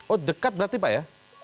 oh dekat berarti pak ya